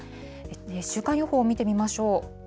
週間予報を見てみましょう。